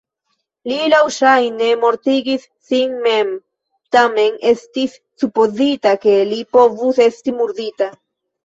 Li laŭŝajne mortigis sin mem, tamen estis supozita ke li povus esti murdita.